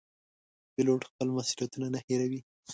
پیلوټ خپل مسوولیتونه نه هېروي.